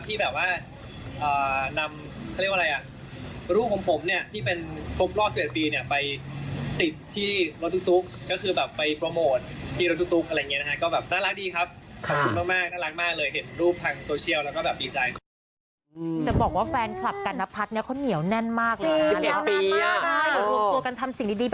ที่นำรูปของผมที่เป็นพบรอบ๑๑ปีไปติดที่รถตุ๊กก็คือไปโปรโมทที่รถตุ๊กและก็น่ารักดีครับ